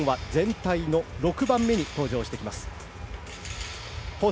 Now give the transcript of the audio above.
日本は全体の６番目に登場してきます。